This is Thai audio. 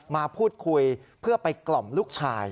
มาพูดคุยเพื่อไปกล่อมลูกชาย